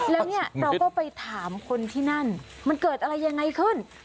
แล้วเนี่ยเราก็ไปถามคนที่นั่นมันเกิดอะไรยังไงขึ้น